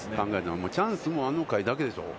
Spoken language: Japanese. チャンスもあの回だけでしょう。